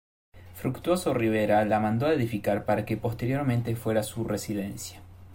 Fructuoso Rivera, la mandó a edificar para que posteriormente fuera su residencia.